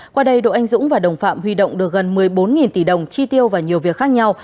qua đây đỗ anh dũng và đồng phạm huy động được gần một mươi bốn tỷ đồng chi tiêu và nhiều việc khác nhau